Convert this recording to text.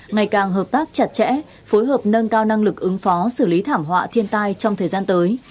ngày càng hợp tác chặt chẽ phối hợp nâng cao năng lực ứng phó xử lý thảm họa thiên tai trong thời gian tới